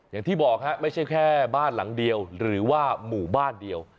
อย่างที่บอกฮะไม่ใช่แค่บ้านหลังเดียวหรือว่าหมู่บ้านเดียว